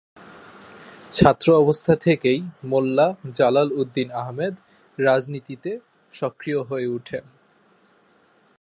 ছাত্র অবস্থা থেকেই মোল্লা জালাল উদ্দীন আহমেদ রাজনীতিতে সক্রিয় হয়ে উঠেন।